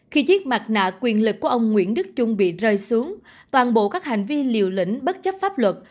khi chiếc mặt nạ quyền lực của ông nguyễn đức trung bị rơi xuống toàn bộ các hành vi liều lĩnh bất chấp pháp luật